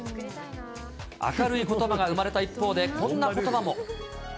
明るいことばが生まれた一方で、こんなことばも。